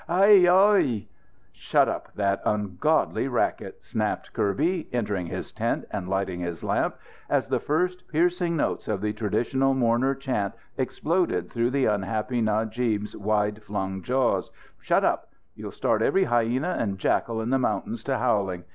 Aie! Ohé!" "Shut up that ungodly racket!" snapped Kirby, entering his tent and lighting his lamp, as the first piercing notes of the traditional mourner chant exploded through the unhappy Najib's wide flung jaws. "Shut up! You'll start every hyena and jackal in the mountains to howling!